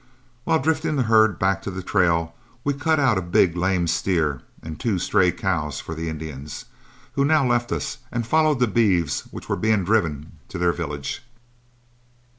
While drifting the herd back to the trail we cut out a big lame steer and two stray cows for the Indians, who now left us and followed the beeves which were being driven to their village.